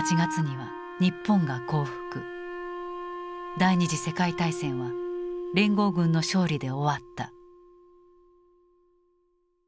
第二次世界大戦は連合軍の勝利で終わった。